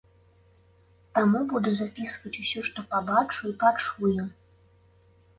Таму буду запісваць усё, што пабачу і пачую.